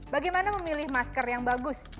bagaimana memilih masker yang bagus